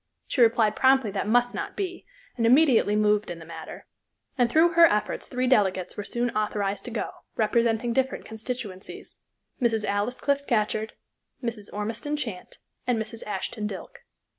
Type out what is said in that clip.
She replied promptly that must not be, and immediately moved in the matter, and through her efforts three delegates were soon authorized to go, representing different constituencies Mrs. Alice Cliff Scatcherd, Mrs. Ormiston Chant, and Mrs. Ashton Dilke.